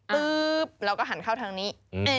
ปุ๊บเราก็หันเข้าทางนี้